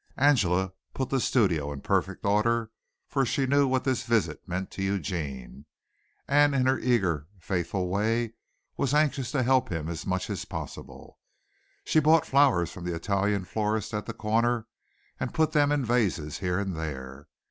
Angela put the studio in perfect order for she knew what this visit meant to Eugene, and in her eager, faithful way was anxious to help him as much as possible. She bought flowers from the Italian florist at the corner and put them in vases here and there.